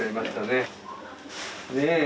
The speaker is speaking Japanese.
ねえ。